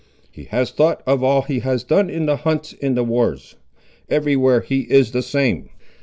He has thought of all he has done in the hunts and in the wars. Every where he is the same.